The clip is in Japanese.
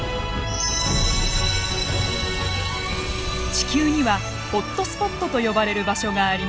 地球にはホットスポットと呼ばれる場所があります。